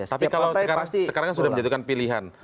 tapi kalau sekarang sudah menjatuhkan pilihan